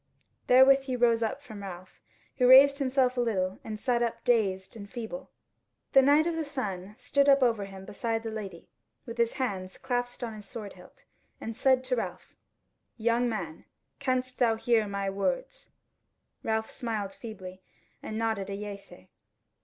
Therewith he rose up from Ralph, who raised himself a little, and sat up dazed and feeble. The Knight of the Sun stood up over him beside the lady with his hands clasped on his sword hilt, and said to Ralph: "Young man, canst thou hear my words?" Ralph smiled feebly and nodded a yea say.